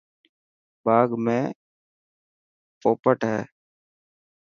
باغ ۾ پوپٽ هي.